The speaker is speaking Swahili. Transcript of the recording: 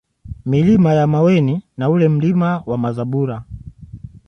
Milima ya Maweni na ule Mlima wa Mazabula